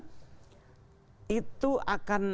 itu akan mengemukkan